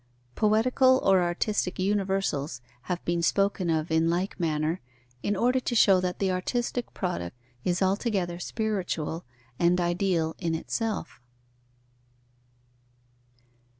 Poetical or artistic universals have been spoken of in like manner, in order to show that the artistic product is altogether spiritual and ideal in itself.